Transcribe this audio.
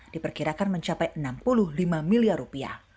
diperkirakan mencapai enam puluh lima miliar rupiah